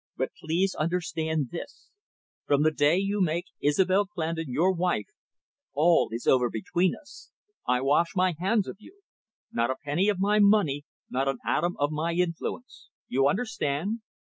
But please understand this. From the day you make Isobel Clandon your wife, all is over between us. I wash my hands of you. Not a penny of my money, not an atom of my influence. You understand."